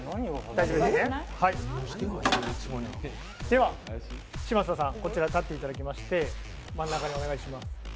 では、嶋佐さん、こちら立っていただきまして、真ん中お願いします。